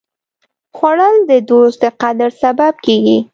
خوړل د دوست د قدر سبب کېږي